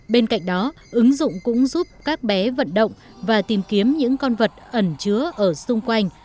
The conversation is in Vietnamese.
bên cạnh đó ứng dụng cũng giúp các bé vận động và tìm kiếm những con vật ẩn chứa ở xung quanh